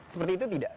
seperti itu tidak